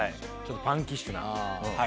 パンキッシュな。